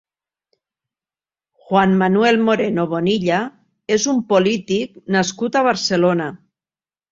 Juan Manuel Moreno Bonilla és un polític nascut a Barcelona.